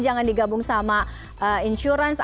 jangan digabung sama insuransi